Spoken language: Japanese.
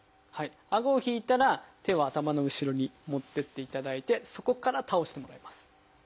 あごを引いたら手を頭の後ろに持ってっていただいてそこから倒してもらいます。